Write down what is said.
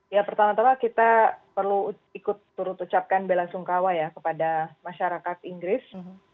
ya pertama tama kita perlu ikut turut ucapkan bela sungkawa ya kepada masyarakat inggris